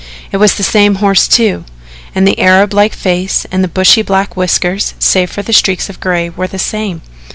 It was the same horse, too, and the Arab like face and the bushy black whiskers, save for streaks of gray, were the same.